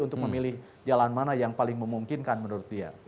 untuk memilih jalan mana yang paling memungkinkan menurut dia